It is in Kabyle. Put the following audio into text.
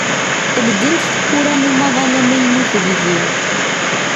ldint tewwura n umaḍal amaynut deg-i.